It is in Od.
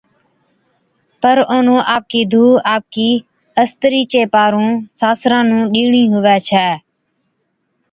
پر اونھُون آپَڪِي ڌُو آپَڪِي استرِي چي پارُون ساسران نُون ڏيڻِي ھُوي ڇَي،